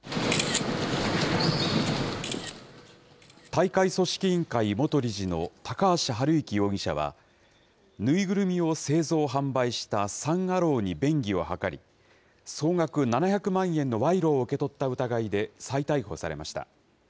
大会組織委員会元理事の高橋治之容疑者は、縫いぐるみを製造・販売したサン・アローに便宜を図り、総額７００万円の賄賂を受け取った疑いで再逮捕されました。